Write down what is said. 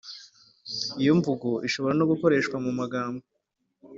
lyo mvugo ishobora no gukoreshwa mu 'magambo